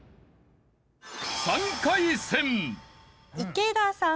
池田さん。